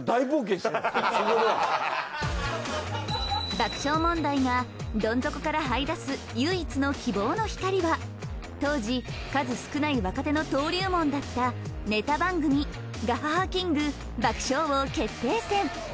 爆笑問題がどん底から這い出す唯一の希望の光は当時数少ない若手の登竜門だったネタ番組『ＧＡＨＡＨＡキング爆笑王決定戦』。